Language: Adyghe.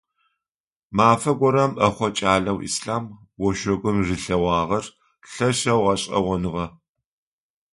Мафэ горэм ӏэхъо кӏалэу Ислъам ошъогум рилъэгъуагъэр лъэшэу гъэшӏэгъоныгъэ.